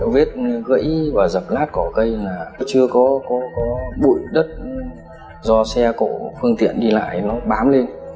vết gãy và dập lát cỏ cây là chưa có bụi đất do xe cổ phương tiện đi lại nó bám lên